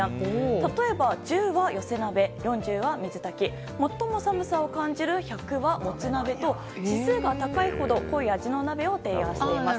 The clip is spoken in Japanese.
例えば、１０は寄せ鍋４０は水炊き最も寒さを感じる１００はもつ鍋と指数が高いほど濃い味の鍋を提案しています。